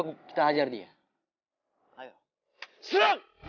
kau mau bubar atau gua hajar